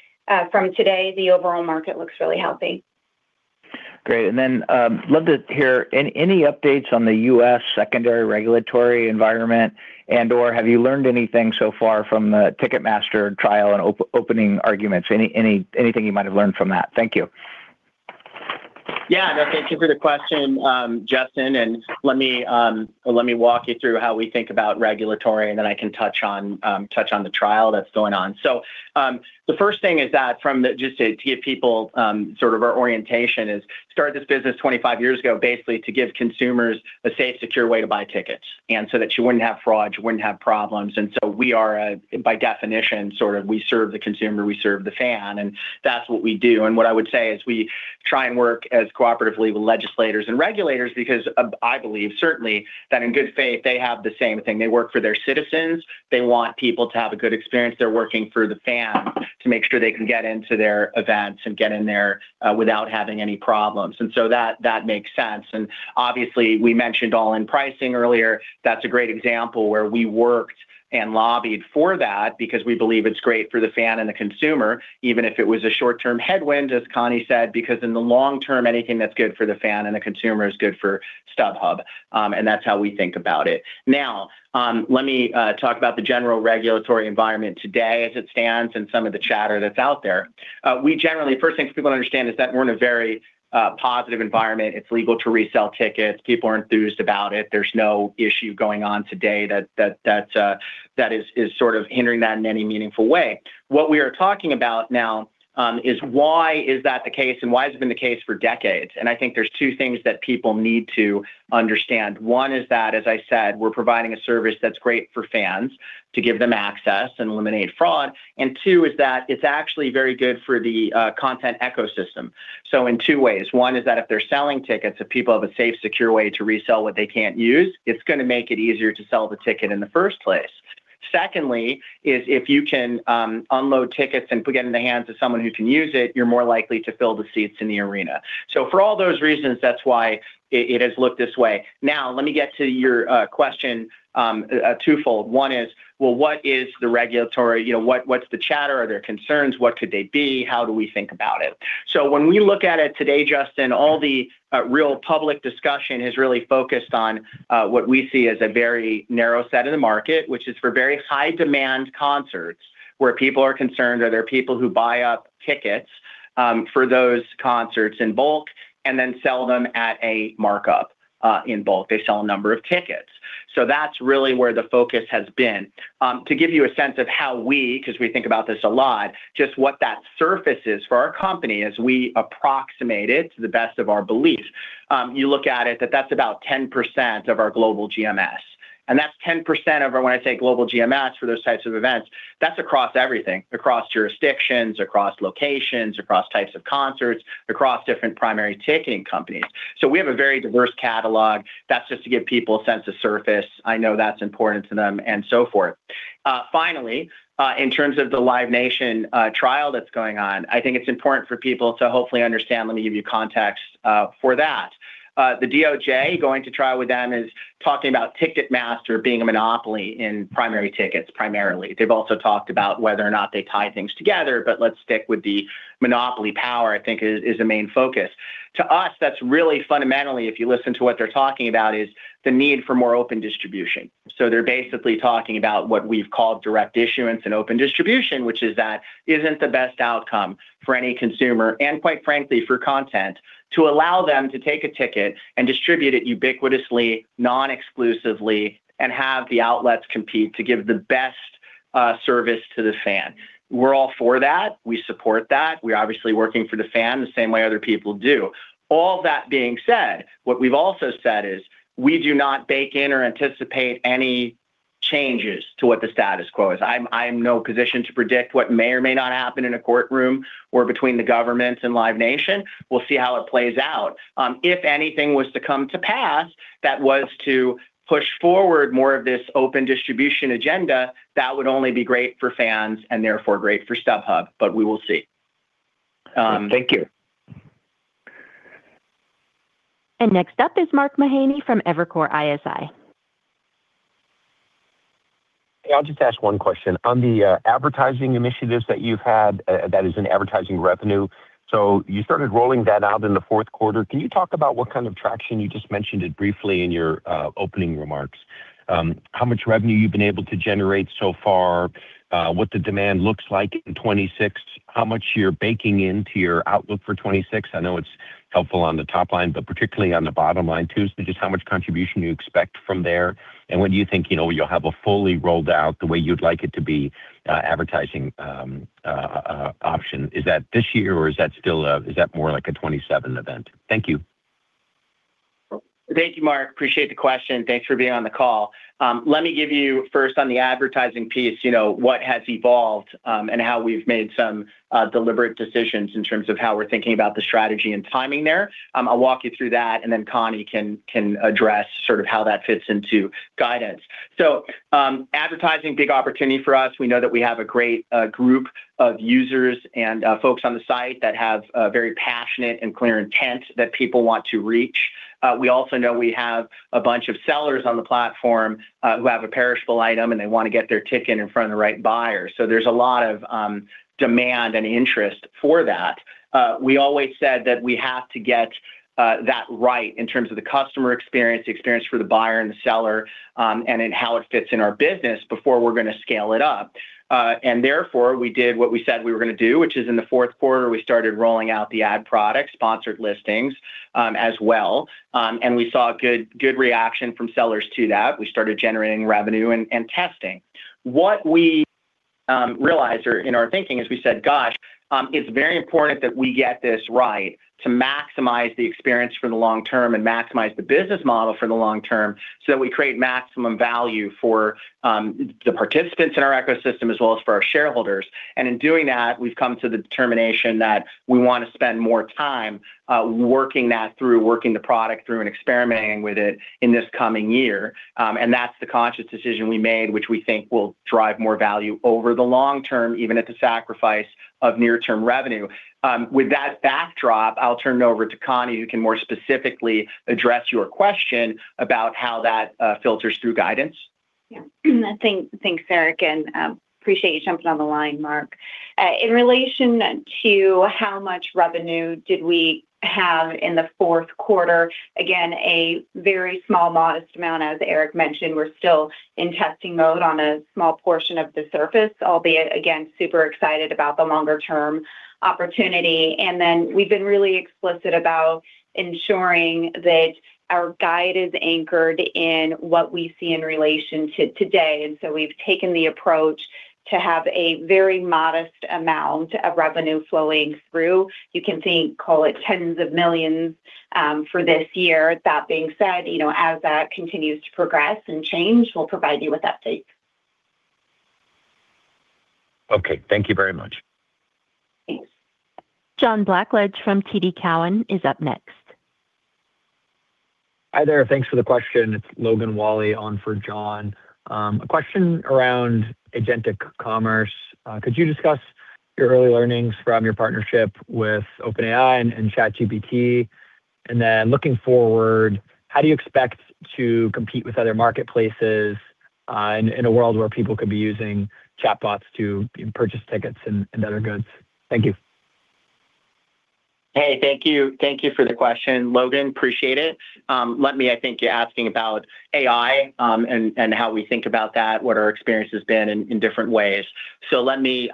from today, the overall market looks really healthy. Great. love to hear in any updates on the U.S. secondary regulatory environment and/or have you learned anything so far from the Ticketmaster trial and opening arguments? Anything you might have learned from that? Thank you. Yeah. No, thank you for the question, Justin, and let me walk you through how we think about regulatory, and then I can touch on the trial that's going on. The first thing is that from the just to give people sort of our orientation is started this business 25 years ago, basically to give consumers a safe, secure way to buy tickets and so that you wouldn't have fraud, you wouldn't have problems. We are, by definition, sort of we serve the consumer, we serve the fan, and that's what we do. What I would say is we try and work as cooperatively with legislators and regulators because of I believe certainly that in good faith, they have the same thing. They work for their citizens. They want people to have a good experience. They're working for the fan to make sure they can get into their events and get in there, without having any problems. That, that makes sense. Obviously, we mentioned all-in pricing earlier. That's a great example where we worked and lobbied for that because we believe it's great for the fan and the consumer, even if it was a short-term headwind, as Connie said, because in the long term, anything that's good for the fan and the consumer is good for StubHub. That's how we think about it. Let me talk about the general regulatory environment today as it stands in some of the chatter that's out there. First thing for people to understand is that we're in a very, positive environment. It's legal to resell tickets. People are enthused about it. There's no issue going on today that, that is sort of hindering that in any meaningful way. What we are talking about now, is why is that the case and why has it been the case for decades. I think there's two things that people need to understand. One is that, as I said, we're providing a service that's great for fans to give them access and eliminate fraud. Two is that it's actually very good for the content ecosystem. In two ways. One is that if they're selling tickets, if people have a safe, secure way to resell what they can't use, it's gonna make it easier to sell the ticket in the first place. Secondly is if you can unload tickets and put it in the hands of someone who can use it, you're more likely to fill the seats in the arena. For all those reasons, that's why it has looked this way. Now, let me get to your question twofold. One is, well, what is the regulatory, you know, what's the chatter? Are there concerns? What could they be? How do we think about it? When we look at it today, Justin, all the real public discussion has really focused on what we see as a very narrow set of the market, which is for very high demand concerts where people are concerned, or they're people who buy up tickets for those concerts in bulk and then sell them at a markup in bulk. They sell a number of tickets. That's really where the focus has been. To give you a sense of how we, 'cause we think about this a lot, just what that surface is for our company as we approximate it to the best of our belief, you look at it that that's about 10% of our global GMS. That's 10% of our, when I say global GMS for those types of events, that's across everything, across jurisdictions, across locations, across types of concerts, across different primary ticketing companies. We have a very diverse catalog. That's just to give people a sense of surface. I know that's important to them and so forth. Finally, in terms of the Live Nation trial that's going on, I think it's important for people to hopefully understand. Let me give you context for that. The DOJ going to trial with them is talking about Ticketmaster being a monopoly in primary tickets, primarily. They've also talked about whether or not they tie things together, but let's stick with the monopoly power, I think is the main focus. To us, that's really fundamentally, if you listen to what they're talking about, is the need for more open distribution. They're basically talking about what we've called direct issuance and open distribution, which is that isn't the best outcome for any consumer and quite frankly, for content to allow them to take a ticket and distribute it ubiquitously, non-exclusively, and have the outlets compete to give the best-A service to the fan. We're all for that. We support that. We're obviously working for the fan the same way other people do. All that being said, what we've also said is we do not bake in or anticipate any changes to what the status quo is. I'm in no position to predict what may or may not happen in a courtroom or between the governments and Live Nation. We'll see how it plays out. If anything was to come to pass that was to push forward more of this open distribution agenda, that would only be great for fans and therefore great for StubHub, we will see. Thank you. Next up is Mark Mahaney from Evercore ISI. Hey, I'll just ask one question. On the advertising initiatives that you've had, that is in advertising revenue. You started rolling that out in the fourth quarter. Can you talk about what kind of traction, you just mentioned it briefly in your opening remarks, how much revenue you've been able to generate so far, what the demand looks like in 2026? How much you're baking into your outlook for 2026? I know it's helpful on the top line, but particularly on the bottom line too. Just how much contribution you expect from there and when do you think, you know, you'll have a fully rolled out the way you'd like it to be, advertising option? Is that this year or is that still, is that more like a 2027 event? Thank you. Thank you, Mark. Appreciate the question. Thanks for being on the call. Let me give you first on the advertising piece, you know, what has evolved, and how we've made some deliberate decisions in terms of how we're thinking about the strategy and timing there. I'll walk you through that and then Connie can address sort of how that fits into guidance. Advertising, big opportunity for us. We know that we have a great group of users and folks on the site that have a very passionate and clear intent that people want to reach. We also know we have a bunch of sellers on the platform, who have a perishable item, and they want to get their ticket in front of the right buyer. There's a lot of demand and interest for that. We always said that we have to get that right in terms of the customer experience, the experience for the buyer and the seller, and in how it fits in our business before we're gonna scale it up. Therefore, we did what we said we were gonna do, which is in the fourth quarter, we started rolling out the ad product, Sponsored listings, as well. We saw a good reaction from sellers to that. We started generating revenue and testing. What we realized or in our thinking is we said, "Gosh, it's very important that we get this right to maximize the experience for the long term and maximize the business model for the long term so that we create maximum value for the participants in our ecosystem as well as for our shareholders." In doing that, we've come to the determination that we wanna spend more time working that through, working the product through and experimenting with it in this coming year. That's the conscious decision we made, which we think will drive more value over the long term, even at the sacrifice of near-term revenue. With that backdrop, I'll turn it over to Connie, who can more specifically address your question about how that filters through guidance. Thanks, Eric, appreciate you jumping on the line, Mark. In relation to how much revenue did we have in the fourth quarter, again, a very small modest amount. As Eric mentioned, we're still in testing mode on a small portion of the surface, albeit again, super excited about the longer term opportunity. We've been really explicit about ensuring that our guide is anchored in what we see in relation to today. We've taken the approach to have a very modest amount of revenue flowing through. You can think, call it tens of millions of dollars for this year. That being said, you know, as that continues to progress and change, we'll provide you with updates. Okay. Thank you very much. Thanks. John Blackledge from TD Cowen is up next. Hi there. Thanks for the question. It's Logan Whalley on for John. A question around agentic commerce. Could you discuss your early learnings from your partnership with OpenAI and ChatGPT? Looking forward, how do you expect to compete with other marketplaces, in a world where people could be using chatbots to purchase tickets and other goods? Thank you. Hey, thank you. Thank you for the question, Logan. Appreciate it. I think you're asking about AI, and how we think about that, what our experience has been in different ways. Let me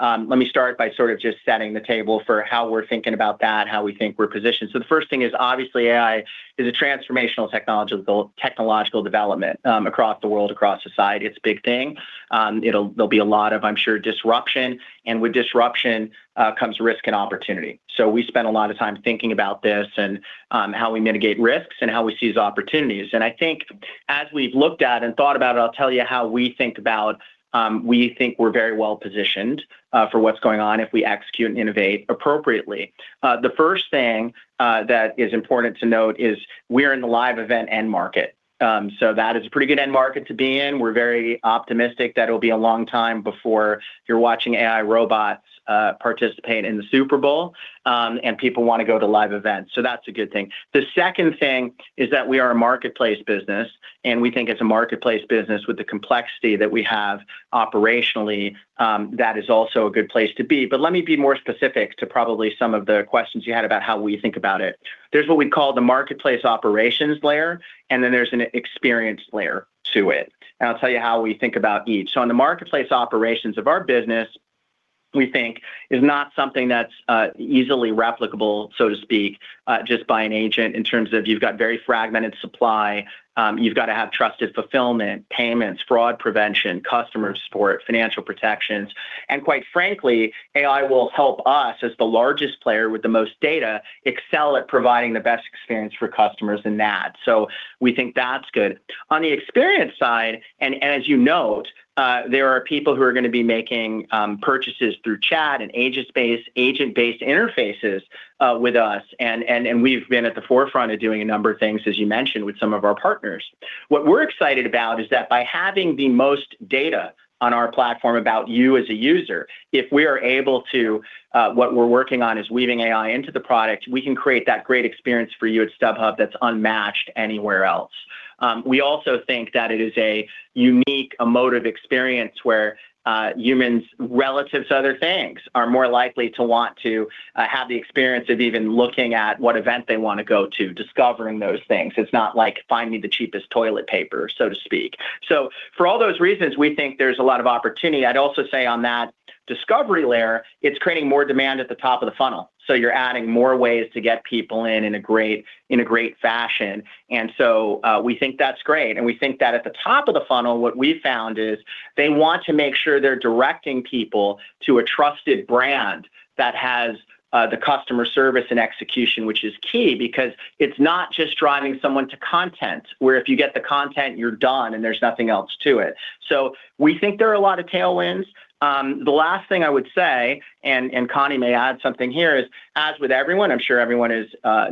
start by sort of just setting the table for how we're thinking about that, how we think we're positioned. The first thing is obviously AI is a transformational technological development, across the world, across society. It's a big thing. there'll be a lot of, I'm sure disruption, and with disruption, comes risk and opportunity. We spend a lot of time thinking about this and, how we mitigate risks and how we seize opportunities. I think as we've looked at and thought about it, I'll tell you how we think about, we think we're very well positioned for what's going on if we execute and innovate appropriately. The first thing that is important to note is we're in the live event end market. That is a pretty good end market to be in. We're very optimistic that it'll be a long time before you're watching AI robots participate in the Super Bowl, and people wanna go to live events. That's a good thing. The second thing is that we are a marketplace business, and we think as a marketplace business with the complexity that we have operationally, that is also a good place to be. Let me be more specific to probably some of the questions you had about how we think about it. There's what we call the marketplace operations layer, and then there's an experience layer to it. I'll tell you how we think about each. On the marketplace operations of our business. We think is not something that's easily replicable, so to speak, just by an agent in terms of you've got very fragmented supply, you've got to have trusted fulfillment, payments, fraud prevention, customer support, financial protections. Quite frankly, AI will help us as the largest player with the most data excel at providing the best experience for customers in that. We think that's good. On the experience side, as you note, there are people who are gonna be making purchases through chat and agent-based interfaces with us. We've been at the forefront of doing a number of things, as you mentioned, with some of our partners. What we're excited about is that by having the most data on our platform about you as a user, if we are able to, what we're working on is weaving AI into the product, we can create that great experience for you at StubHub that's unmatched anywhere else. We also think that it is a unique emotive experience where humans, relative to other things, are more likely to want to have the experience of even looking at what event they wanna go to, discovering those things. It's not like, "Find me the cheapest toilet paper," so to speak. For all those reasons, we think there's a lot of opportunity. I'd also say on that discovery layer, it's creating more demand at the top of the funnel. You're adding more ways to get people in in a great, in a great fashion. We think that's great. We think that at the top of the funnel, what we found is they want to make sure they're directing people to a trusted brand that has the customer service and execution, which is key because it's not just driving someone to content where if you get the content, you're done and there's nothing else to it. We think there are a lot of tailwinds. The last thing I would say, Connie may add something here, is as with everyone, I'm sure everyone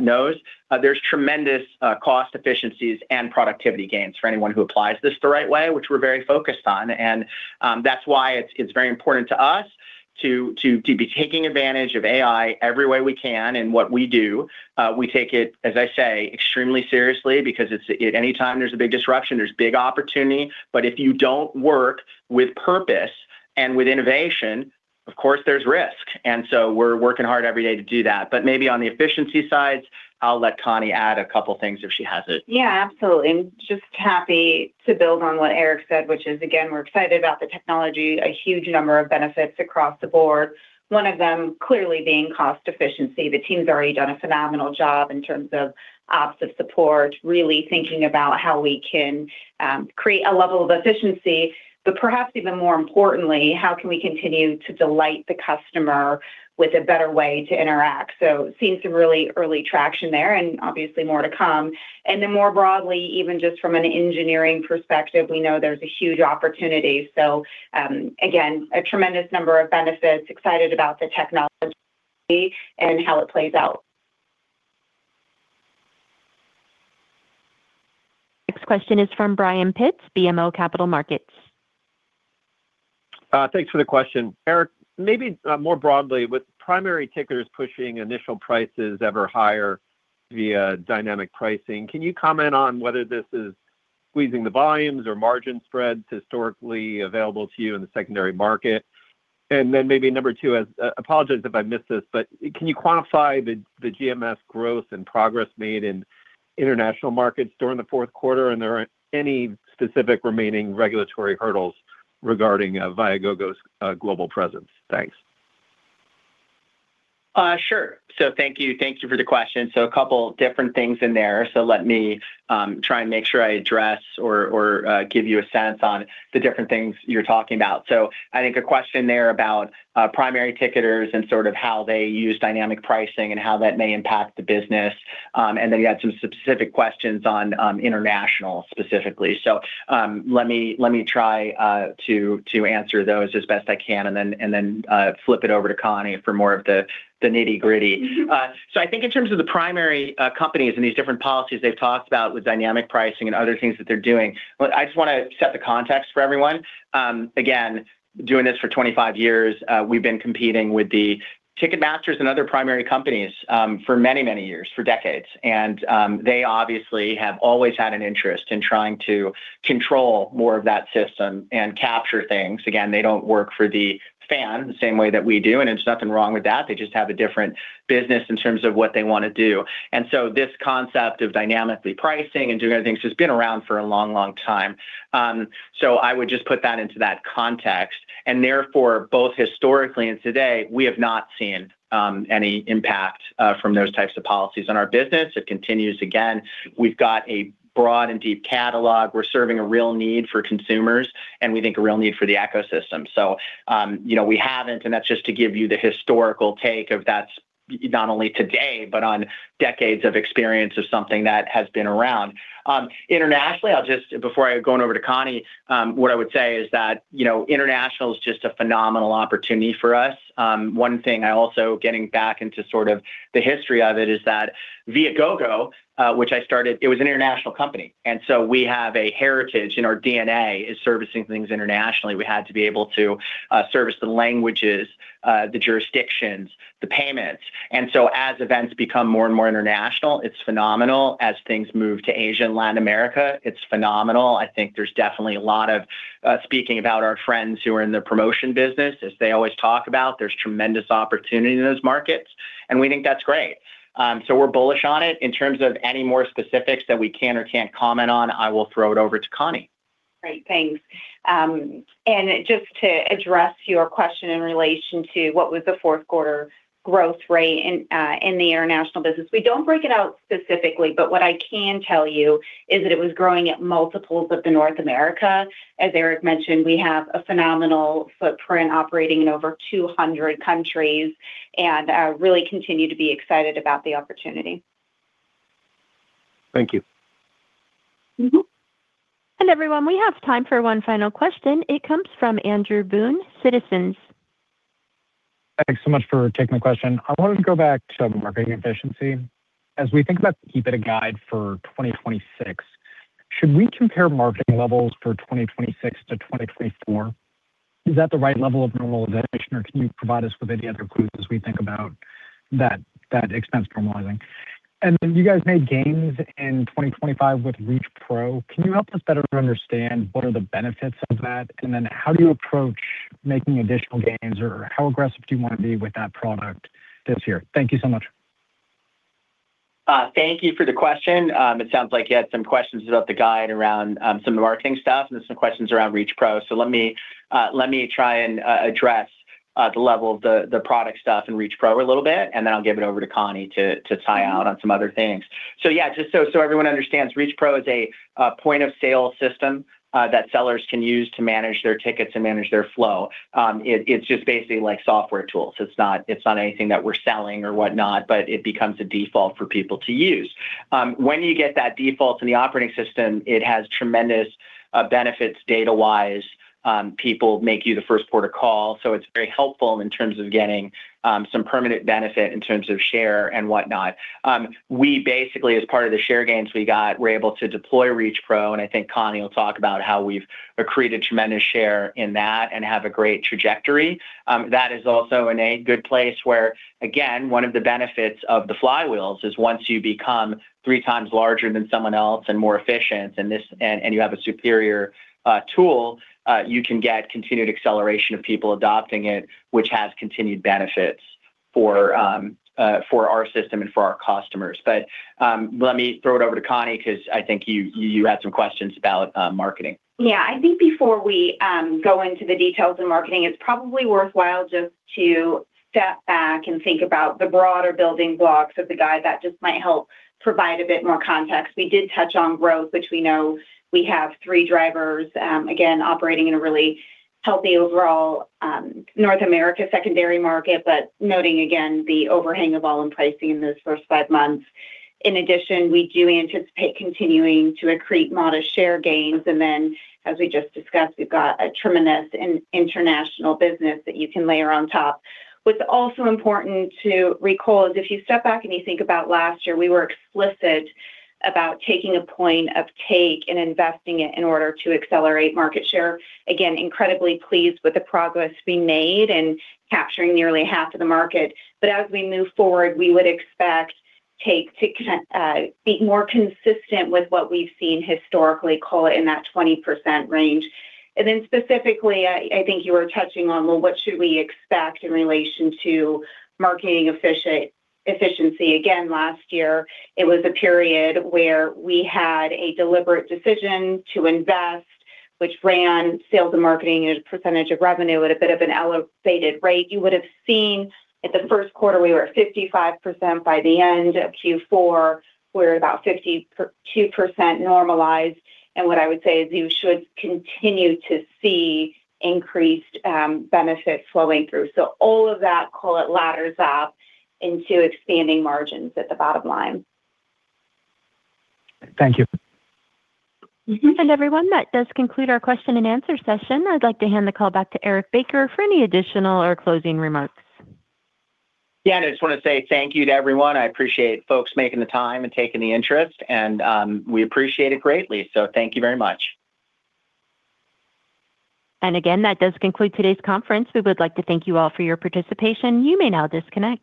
knows there's tremendous cost efficiencies and productivity gains for anyone who applies this the right way, which we're very focused on. That's why it's very important to us to be taking advantage of AI every way we can in what we do. We take it, as I say, extremely seriously because anytime there's a big disruption, there's big opportunity. If you don't work with purpose and with innovation, of course there's risk. We're working hard every day to do that. Maybe on the efficiency side, I'll let Connie add a couple things if she has it. Yeah, absolutely. Just happy to build on what Eric said, which is, again, we're excited about the technology. A huge number of benefits across the board. One of them clearly being cost efficiency. The team's already done a phenomenal job in terms of ops and support, really thinking about how we can create a level of efficiency. Perhaps even more importantly, how can we continue to delight the customer with a better way to interact? Seeing some really early traction there and obviously more to come. More broadly, even just from an engineering perspective, we know there's a huge opportunity. Again, a tremendous number of benefits. Excited about the technology and how it plays out. Next question is from Brian Pitz, BMO Capital Markets. Thanks for the question. Eric, maybe, more broadly, with primary ticketers pushing initial prices ever higher via dynamic pricing, can you comment on whether this is squeezing the volumes or margin spreads historically available to you in the secondary market? Maybe number two, apologize if I missed this, but can you quantify the GMS growth and progress made in international markets during the fourth quarter? Are there any specific remaining regulatory hurdles regarding Viagogo's global presence? Thanks. Sure. Thank you. Thank you for the question. A couple different things in there. Let me try and make sure I address or give you a sense on the different things you're talking about. I think a question there about primary ticketers and sort of how they use dynamic pricing and how that may impact the business. And then you had some specific questions on international specifically. Let me try to answer those as best I can and then flip it over to Connie for more of the nitty-gritty. I think in terms of the primary companies and these different policies they've talked about with dynamic pricing and other things that they're doing, I just wanna set the context for everyone. Again, doing this for 25 years, we've been competing with the Ticketmaster and other primary companies for many, many years, for decades. They obviously have always had an interest in trying to control more of that system and capture things. Again, they don't work for the fan the same way that we do, and there's nothing wrong with that. They just have a different business in terms of what they want to do. This concept of dynamically pricing and doing other things has been around for a long, long time. I would just put that into that context. Therefore, both historically and today, we have not seen any impact from those types of policies on our business. It continues, again, we've got a broad and deep catalog. We're serving a real need for consumers and we think a real need for the ecosystem. you know, we haven't, and that's just to give you the historical take of that's not only today, but on decades of experience of something that has been around. Internationally, before going over to Connie, what I would say is that, you know, international is just a phenomenal opportunity for us. One thing I also, getting back into sort of the history of it, is that Viagogo, which I started, it was an international company. we have a heritage in our DNA is servicing things internationally. We had to be able to service the languages, the jurisdictions, the payments. as events become more and more international, it's phenomenal. As things move to Asia and Latin America, it's phenomenal. I think there's definitely a lot of, speaking about our friends who are in the promotion business, as they always talk about, there's tremendous opportunity in those markets, and we think that's great. We're bullish on it. In terms of any more specifics that we can or can't comment on, I will throw it over to Connie. Great. Thanks. Just to address your question in relation to what was the fourth quarter growth rate in the international business. We don't break it out specifically, but what I can tell you is that it was growing at multiples of the North America. As Eric mentioned, we have a phenomenal footprint operating in over 200 countries and really continue to be excited about the opportunity. Thank you. Mm-hmm. Everyone, we have time for one final question. It comes from Andrew Boone, Citizens. Thanks so much for taking the question. I wanted to go back to the marketing efficiency. As we think about the EBITDA guide for 2026, should we compare marketing levels for 2026 to 2024? Is that the right level of normalization, or can you provide us with any other clues as we think about that expense normalizing? You guys made gains in 2025 with StubHub Pro. Can you help us better understand what are the benefits of that, and then how do you approach making additional gains, or how aggressive do you wanna be with that product this year? Thank you so much. Thank you for the question. It sounds like you had some questions about the guide around some of the marketing stuff and some questions around ReachPro. Let me let me try and address the level of the product stuff in ReachPro a little bit, and then I'll give it over to Connie to tie out on some other things. Yeah, just so everyone understands, ReachPro is a point-of-sale system that sellers can use to manage their tickets and manage their flow. It's just basically like software tools. It's not, it's not anything that we're selling or whatnot, but it becomes a default for people to use. When you get that default in the operating system, it has tremendous benefits data-wise. People make you the first port of call, so it's very helpful in terms of getting some permanent benefit in terms of share and whatnot. We basically, as part of the share gains we got, we're able to deploy StubHub Pro, and I think Connie will talk about how we've accreted tremendous share in that and have a great trajectory. That is also in a good place where, again, one of the benefits of the flywheels is once you become 3x larger than someone else and more efficient, and you have a superior tool, you can get continued acceleration of people adopting it, which has continued benefits for our system and for our customers. Let me throw it over to Connie because I think you had some questions about marketing. Yeah. I think before we go into the details of marketing, it's probably worthwhile just to step back and think about the broader building blocks of the guide that just might help provide a bit more context. We did touch on growth, which we know we have 3 drivers, again, operating in a really healthy overall North America secondary market, but noting again the overhang of volume pricing in those first 5 months. In addition, we do anticipate continuing to accrete modest share gains. Then, as we just discussed, we've got a tremendous in-international business that you can layer on top. What's also important to recall is if you step back and you think about last year, we were explicit about taking a point of take and investing it in order to accelerate market share. Again, incredibly pleased with the progress we made in capturing nearly half of the market. As we move forward, we would expect take to be more consistent with what we've seen historically, call it in that 20% range. Specifically, I think you were touching on, well, what should we expect in relation to marketing efficiency. Again, last year it was a period where we had a deliberate decision to invest, which ran sales and marketing as a percentage of revenue at a bit of an elevated rate. You would have seen at the first quarter we were at 55%. By the end of Q4, we're about 52% normalized. What I would say is you should continue to see increased benefits flowing through. All of that, call it, ladders up into expanding margins at the bottom line. Thank you. Mm-hmm. Everyone, that does conclude our question-and-answer session. I'd like to hand the call back to Eric Baker for any additional or closing remarks. I just wanna say thank you to everyone. I appreciate folks making the time and taking the interest, and we appreciate it greatly. Thank you very much. Again, that does conclude today's conference. We would like to thank you all for your participation. You may now disconnect.